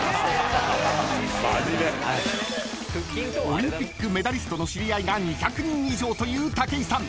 ［オリンピックメダリストの知り合いが２００人以上という武井さん。